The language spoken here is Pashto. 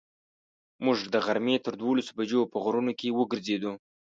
موږ د غرمې تر دولسو بجو په غرونو کې وګرځېدو.